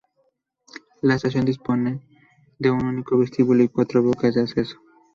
La estación dispone de un único vestíbulo y cuatro bocas de acceso.